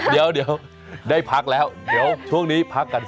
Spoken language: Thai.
เดี๋ยวได้พักแล้วช่วงนี้พักกันสักครู่